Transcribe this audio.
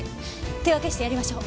手分けしてやりましょう。